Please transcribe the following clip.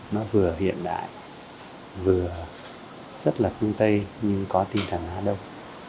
nó vừa hiện đại vừa rất là phương tây nhưng có tinh thần á đông